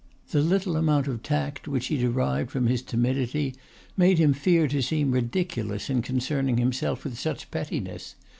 The little amount of tact which he derived from his timidity made him fear to seem ridiculous in concerning himself with such pettiness.